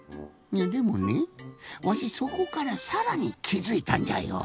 でもねわしそこからさらにきづいたんじゃよ。